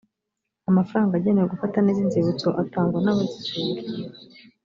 amafaranga agenewe gufata neza inzibutso atangwa n abazisura